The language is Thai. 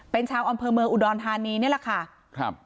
เป็นชาวอำเภอเมืองอุดรธานีนี่แหละค่ะครับ